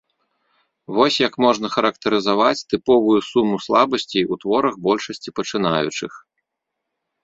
Вось як можна характарызаваць тыповую суму слабасцей у творах большасці пачынаючых.